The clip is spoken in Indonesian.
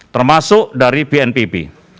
termasuk dari bnpb